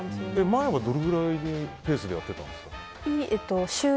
前は、どれぐらいのペースでやってたんですか？